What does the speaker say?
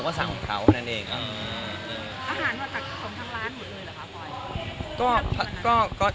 อาหารของทั้งร้านหมดอื่นเหรอครับปอย